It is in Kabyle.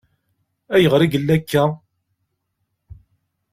Ayɣer i yella akka?